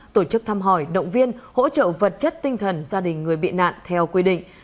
tổ chức thăm hỏi động viên hỗ trợ vật chất tinh thần gia đình người bị nạn theo quy định